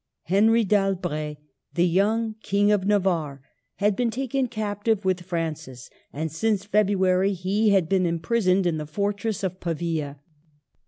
Henry d'Albret, the young King of Navarre, had been taken captive with Francis, and since February he had been imprisoned in the fortress of Pavia.